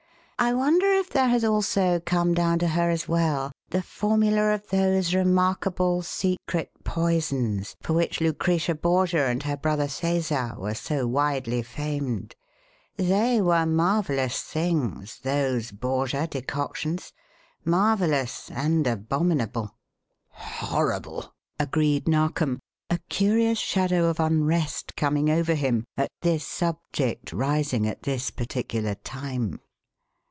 I wonder if there has also come down to her, as well, the formula of those remarkable secret poisons for which Lucretia Borgia and her brother Cæsar were so widely famed. They were marvellous things, those Borgia decoctions marvellous and abominable." "Horrible!" agreed Narkom, a curious shadow of unrest coming over him at this subject rising at this particular time.